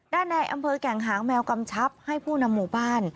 ในอำเภอแก่งหางแมวกำชับให้ผู้นำหมู่บ้าน